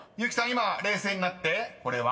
今冷静になってこれは？］